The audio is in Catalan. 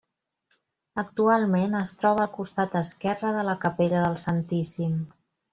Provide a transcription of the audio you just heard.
Actualment es troba al costat esquerre de la capella del Santíssim.